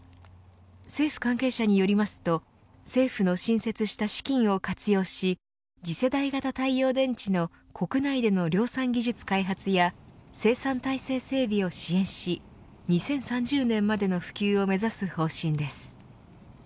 政府関係者によりますと政府の新設した資金を活用し次世代型太陽電池の国内での量産技術開発や生産体制整備を支援し２０３０年までの普及を目指す方針です。